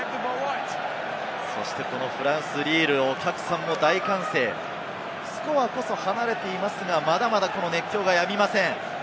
そしてこのフランス・リール、お客さんの大歓声、スコアこそ離れていますが、まだまだ熱狂がやみません。